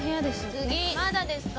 次まだですか？